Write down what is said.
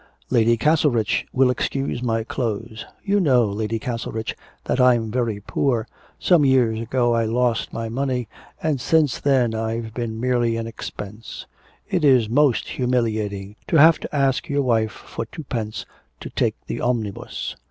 'Lady Castlerich will excuse my clothes. You know, Lady Castlerich, that I'm very poor. Some years ago I lost my money, and since then I've been merely an expense. It is most humiliating to have to ask your wife for twopence to take the omnibus.'